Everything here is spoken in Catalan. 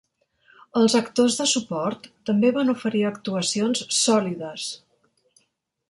Els actors de suport també van oferir actuacions "sòlides".